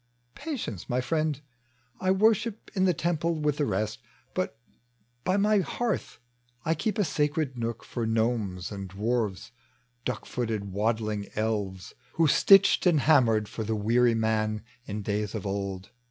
Patience, friend 1 I worship in the temple with the rest ; But by my hearth I keep a sacred nook For gnomes and dwarfs, duck footed waddling elvea Who stitched and hammered for the weary man In days of old.